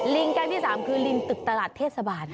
แก๊งที่๓คือลิงตึกตลาดเทศบาล